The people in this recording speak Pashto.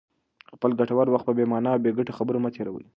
خپل ګټور وخت په بې مانا او بې ګټې خبرو مه تېروئ.